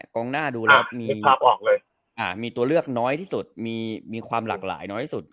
กองหน้าดูแล้วมีตัวเลือกน้อยที่สุดมีความหลากหลายน้อยสุด